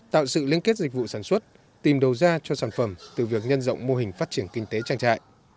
tạo sự liên kết dịch vụ sản xuất tìm đầu ra cho sản phẩm từ việc nhân rộng mô hình phát triển kinh tế trang trại